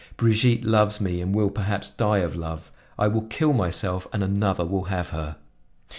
Brigitte loves me and will perhaps die of love; I will kill myself and another will have her."